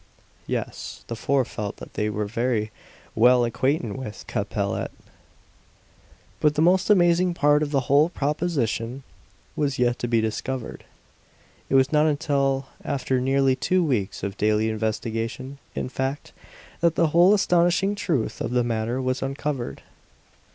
Yes, the four felt that they were very well acquainted with Capellette. But the most amazing part of the whole proposition was yet to be discovered. It was not until after nearly two weeks of daily investigation, in fact, that the whole astonishing truth of the matter was uncovered.